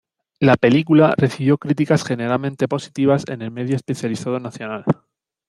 La película recibió críticas generalmente positivas en el medio especializado nacional.